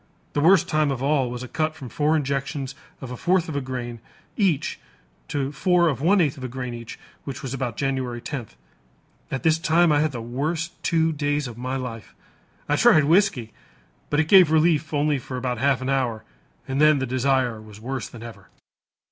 The worst time of all was a cut from four injections of a fourth of a grain each to four of one eighth of a grain each, which was about January 10th. At this time I had the worst two days of my life. I tried whiskey, but it gave relief only for about half an hour and then the desire was worse than ever."